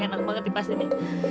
enak banget dipas ini